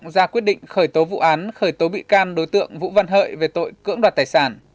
ra quyết định khởi tố vụ án khởi tố bị can đối tượng vũ văn hợi về tội cưỡng đoạt tài sản